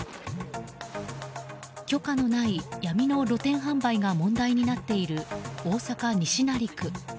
許可のない闇の露店販売が問題になっている大阪・西成区。